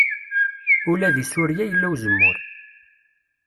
Ula deg Surya yella uzemmur.